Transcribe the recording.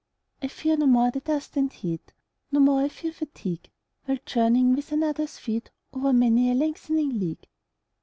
I fear no more the dust and heat, 25 No more I fear fatigue, While journeying with another's feet O'er many a lengthening league.